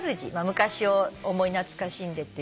昔を思い懐かしんで。